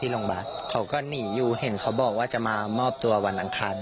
ลงเอยที่ความตาย